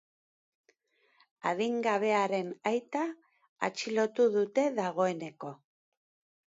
Adingabearen aita atxilotu dute dagoeneko.